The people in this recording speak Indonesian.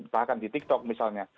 bahkan di tiktok misalnya